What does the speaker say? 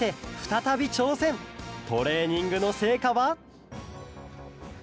トレーニングのせいかは？